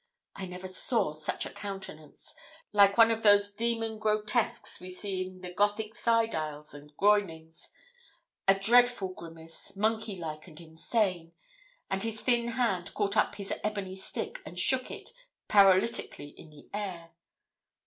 I never saw such a countenance like one of those demon grotesques we see in the Gothic side aisles and groinings a dreadful grimace, monkey like and insane and his thin hand caught up his ebony stick, and shook it paralytically in the air.